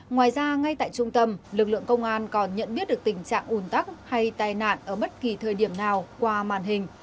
ngoài ra ngay tại trung tâm lực lượng công an còn nhận biết được tình trạng ủn tắc hay tai nạn ở bất kỳ thời điểm nào qua màn hình